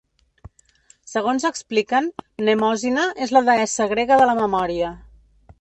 Segons expliquen, Mnemòsine és la deessa grega de la memòria.